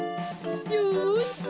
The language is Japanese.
よし！